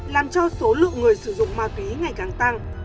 làm cho số lượng người sử dụng ma túy ngày càng tăng